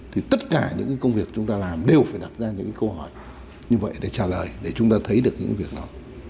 thì tất cả những công việc chúng ta làm đều phải đặt ra những câu hỏi như vậy để trả lời để chúng ta thấy được những việc đó